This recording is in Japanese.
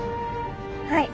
はい。